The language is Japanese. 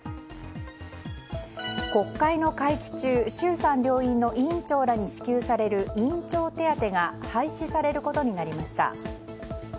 国会の会期中衆参両院の委員長らに支給される委員長手当が廃止されることになりました。